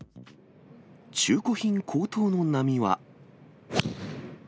中古品高騰の波は。